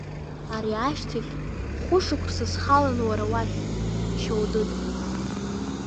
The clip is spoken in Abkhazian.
Ари ашьҭахь хәышықәса схалон уара уахь, Шьоудыд.